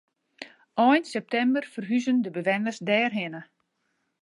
Ein septimber ferhuzen de bewenners dêrhinne.